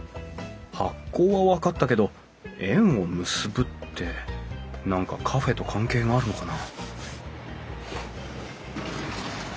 「発酵」は分かったけど「縁を結ぶ」って何かカフェと関係があるのかな？